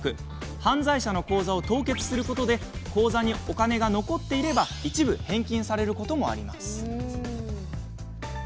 犯罪者の口座を凍結することで口座にお金が残っていれば一部、返金されることもあります。